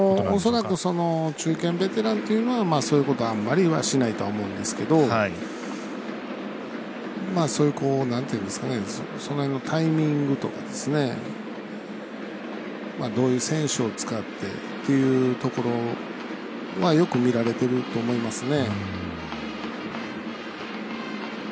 恐らく中堅、ベテランというのはそういうことをあんまりしないとは思うんですけどそういうその辺のタイミングとかどういう選手を使ってっていうところはよく見られてると思いますね。